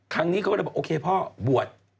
ครั้งนี้เขาก็เลยบอกโอเคพ่อบวช